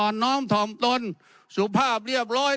น้อมถ่อมตนสุภาพเรียบร้อย